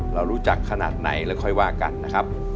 เรารู้จักขนาดไหนแล้วค่อยว่ากันนะครับ